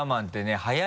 早い！